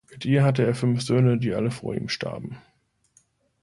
Mit ihr hatte er fünf Söhne, die alle vor ihm starben.